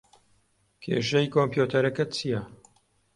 کێشەی کۆمپیوتەرەکەت چییە؟